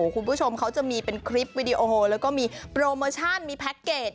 คุณผู้ชมเขาจะมีเป็นคลิปวิดีโอแล้วก็มีโปรโมชั่นมีแพ็คเกจ